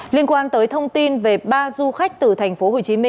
liên quan tới thông tin về ba du khách từ tp hcm